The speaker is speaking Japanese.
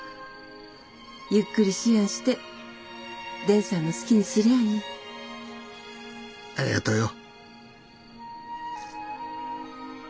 ゆっくり思案して伝さんの好きにすりゃぁいい。ありがとよ。